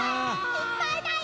いっぱいだよ。